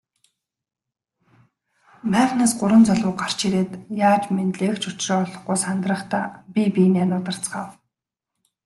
Майхнаас гурван залуу гарч ирээд яаж мэндлэх ч учраа олохгүй сандрахдаа бие биеэ нударцгаав.